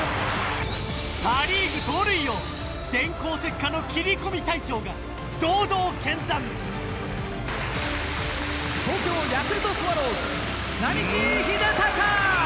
パ・リーグ盗塁王電光石火の切り込み隊長が堂々見参東京ヤクルトスワローズ・並木秀尊！